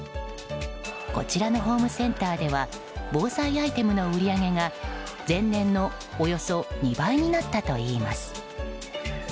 こちらのホームセンターでは防災アイテムの売り上げが前年のおよそ２倍になったといいます。